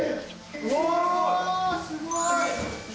うわすごい。